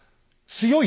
強い。